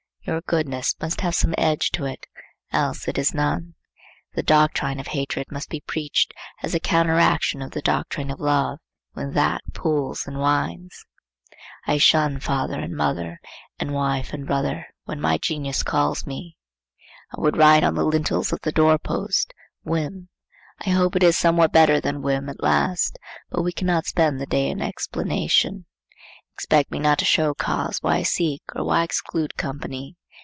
Your goodness must have some edge to it,—else it is none. The doctrine of hatred must be preached, as the counteraction of the doctrine of love, when that pules and whines. I shun father and mother and wife and brother when my genius calls me. I would write on the lintels of the door post, Whim. I hope it is somewhat better than whim at last, but we cannot spend the day in explanation. Expect me not to show cause why I seek or why I exclude company.